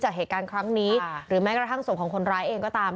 จากเหตุการณ์ครั้งนี้หรือแม้กระทั่งศพของคนร้ายเองก็ตาม